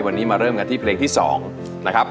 วันนี้มาเริ่มกันที่เพลงที่๒นะครับ